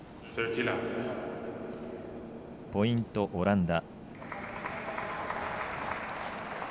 ポイント、オランダ。